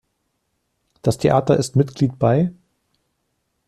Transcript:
Das Theater ist Mitglied bei